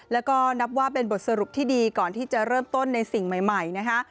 แล้วก็นับว่าเป็นบทสรุปที่ดีก่อนที่จะเริ่มต้นในสิ่งใหม่นะคะ